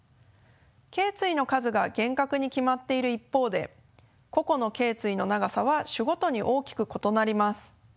けい椎の数が厳格に決まっている一方で個々のけい椎の長さは種ごとに大きく異なります。